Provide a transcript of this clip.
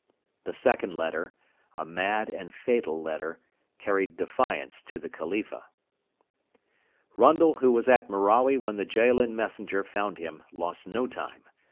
The second letter a mad and fatal letter carried defiance to the Khalifa. Rundle, who was at Merawi when the Jaalin messenger found him, lost no time.